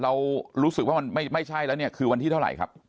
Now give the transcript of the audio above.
เรารู้สึกว่ามันไม่ใช่แล้วเนี่ยคือวันที่เท่าไหร่ครับ